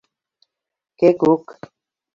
Кәкүк.